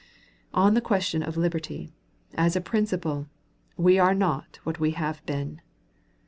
On the question of liberty, as a principle, we are not what we have been.